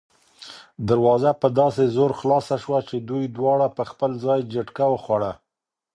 دروازه په داسې زور خلاصه شوه چې دوی دواړه په خپل ځای جټکه وخوړه.